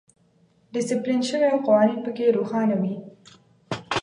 ډیسپلین شوی او قوانین پکې روښانه وي.